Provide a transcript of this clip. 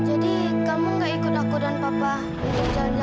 aku mau temanin kamu di sini aja ya